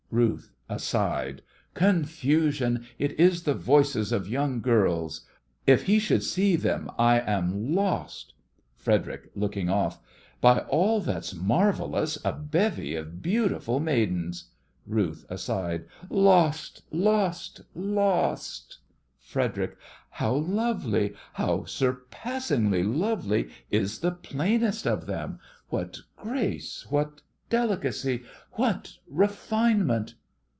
RUTH: (aside) Confusion! it is the voices of young girls! If he should see them I am lost. FREDERIC: (looking off) By all that's marvellous, a bevy of beautiful maidens! RUTH: (aside) Lost! lost! lost! FREDERIC: How lovely, how surpassingly lovely is the plainest of them! What grace what delicacy what refinement!